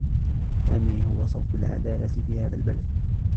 سامي هو صوت العدالة في هذا البلد.